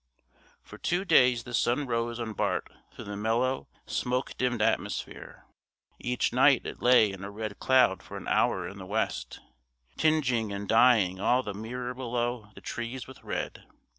For two days the sun rose on Bart through the mellow, smoke dimmed atmosphere. Each night it lay in a red cloud for an hour in the west, tingeing and dyeing all the mirror below the trees with red.